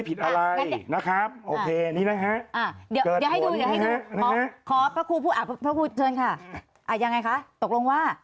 ทนายเกิดผล